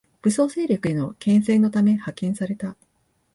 武装勢力への牽制のため派遣された